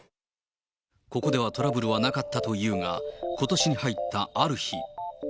ここではトラブルはなかったというが、ことしに入ったある日。